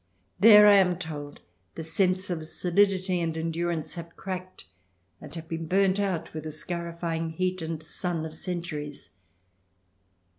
There, I am told, the sense of solidity and endur ance have cracked and been burnt out with the scarifying heat and sun of centuries.